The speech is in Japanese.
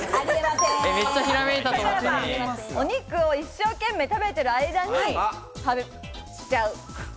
お肉を一生懸命食べてる間にしちゃう。